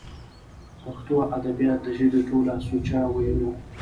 پښتو ادبيات د ژبې ټول سوچه وييونو